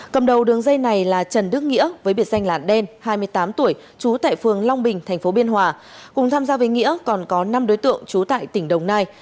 cầm đầu đường dây này là trần đức nghĩa với biệt danh là đen hai mươi tám tuổi trú tại phường long bình tp biên hòa cùng tham gia với nghĩa còn có năm đối tượng trú tại tỉnh đồng nai